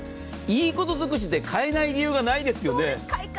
いいことづくしでかえない理由がないですよね。